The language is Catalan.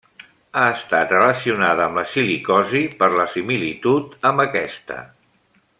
Ha estat relacionada amb la silicosi per la similitud amb aquesta.